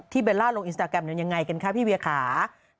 เบลล่าลงอินสตาแกรมนั้นยังไงกันคะพี่เวียขา